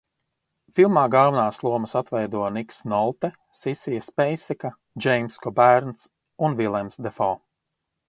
Filmā galvenās lomas atveido Niks Nolte, Sisija Speiseka, Džeimss Kobērns un Vilems Defo.